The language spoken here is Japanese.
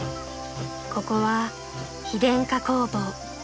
［ここは非電化工房］